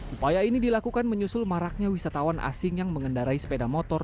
upaya ini dilakukan menyusul maraknya wisatawan asing yang mengendarai sepeda motor